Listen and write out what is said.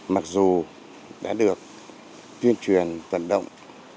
mặc dù đã được tuyên truyền vận động